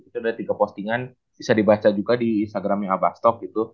itu udah tiga postingan bisa dibaca juga di instagramnya abastok gitu